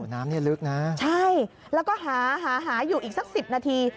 น้ำนี่ลึกนะใช่แล้วก็หาหาอยู่อีกสัก๑๐นาที